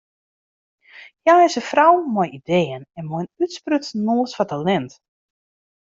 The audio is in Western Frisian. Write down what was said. Hja is in frou mei ideeën en mei in útsprutsen noas foar talint.